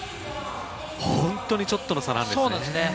本当にちょっとの差なんですね。